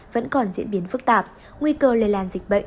vẫn còn diễn biến phức tạp nguy cơ lây lan dịch bệnh